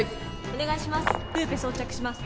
お願いします。